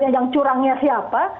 yang curangnya siapa